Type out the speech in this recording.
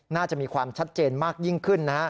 น่าจะมีความชัดเจนมากยิ่งขึ้นนะฮะ